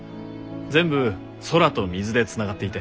全部空と水でつながっていて。